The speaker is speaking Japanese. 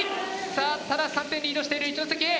さあただ３点リードしている一関Ａ。